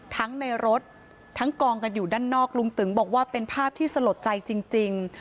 ทั้งในรถทั้งกองกันอยู่ด้านนอกลุงตึงบอกว่าเป็นภาพที่สลดใจจริง